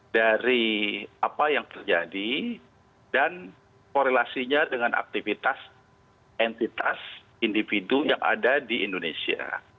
dari apa yang terjadi dan korelasinya dengan aktivitas entitas individu yang ada di indonesia